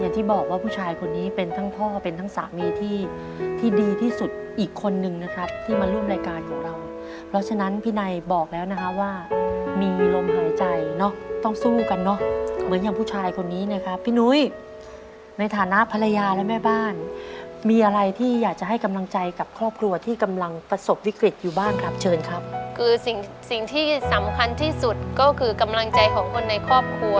อย่างที่บอกว่าผู้ชายคนนี้เป็นทั้งพ่อเป็นทั้งสามีที่ที่ดีที่สุดอีกคนนึงนะครับที่มาร่วมรายการของเราเพราะฉะนั้นพี่นัยบอกแล้วนะคะว่ามีลมหายใจเนาะต้องสู้กันเนาะเหมือนอย่างผู้ชายคนนี้นะครับพี่นุ้ยในฐานะภรรยาและแม่บ้านมีอะไรที่อยากจะให้กำลังใจกับครอบครัวที่กำลังประสบวิกฤตอยู่บ้างครับเชิญคร